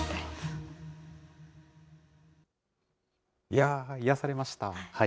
いやー、癒やされました。